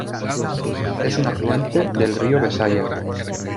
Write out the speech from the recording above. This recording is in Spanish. Es un afluente del río Besaya.